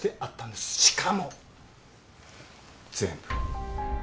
しかも全部。